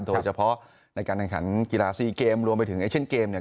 โดยเฉพาะในการแข่งขันกีฬาซีเกมรวมไปถึงเอเชนเกมเนี่ย